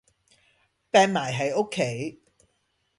柄埋喺屋企